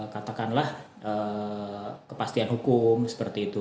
katakanlah kepastian hukum seperti itu